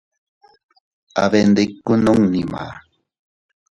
Abendikuu nunni maá.